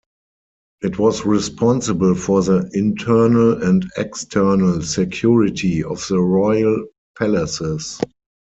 It was responsible for the internal and external security of the royal palaces.